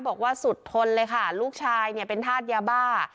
บอกว่าสุดทนเลยค่ะลูกชายเนี่ยเป็นธาตุยาบ้า